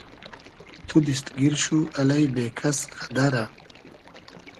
تو دیست گیر شو الݷ بې کئس غئدئرۂ